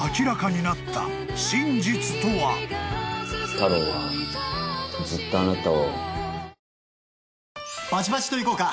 タローはずっとあなたを。